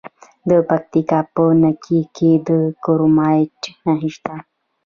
د پکتیکا په نکې کې د کرومایټ نښې شته.